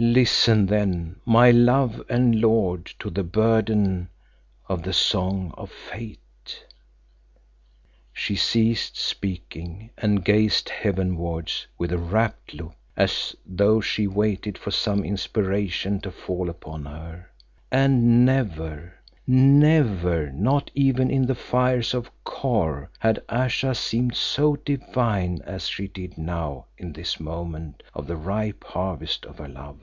"Listen then, my love and lord, to the burden of the Song of Fate." She ceased speaking and gazed heavenwards with a rapt look as though she waited for some inspiration to fall upon her, and never, never not even in the fires of Kôr had Ayesha seemed so divine as she did now in this moment of the ripe harvest of her love.